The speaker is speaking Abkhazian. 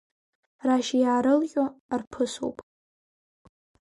Рашь иаарылҟьо арԥысуп!